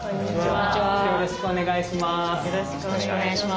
よろしくお願いします。